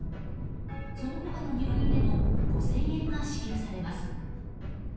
その他の入院でも５０００円が支給されます。